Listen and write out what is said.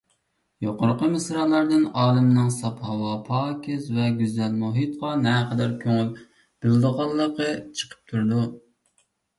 يۇقىرىقى مىسرالاردىن ئالىمنىڭ ساپ ھاۋا، پاكىز ۋە گۈزەل مۇھىتقا نەقەدەر كۆڭۈل بۆلىدىغانلىقى چىقىپ تۇرىدۇ.